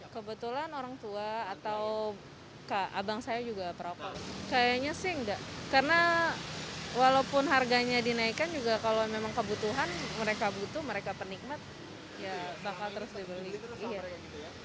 kebetulan orang tua atau abang saya juga perokok kayaknya sih enggak karena walaupun harganya dinaikkan juga kalau memang kebutuhan mereka butuh mereka penikmat ya bakal terus dibeli akhirnya